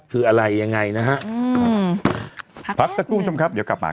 คืออะไรยังไงนะฮะอืมพักสักครู่ชมครับเดี๋ยวกลับมา